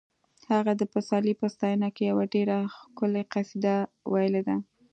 هغه د پسرلي په ستاینه کې یوه ډېره ښکلې قصیده ویلې ده